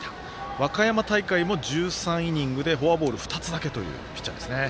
和歌山大会も１３イニングでフォアボール２つだけというピッチャーですね。